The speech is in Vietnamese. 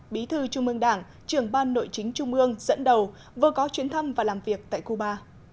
bí thư trung ương đảng trưởng ban nội chính trung ương dẫn đầu vừa có chuyến thăm và làm việc tại cuba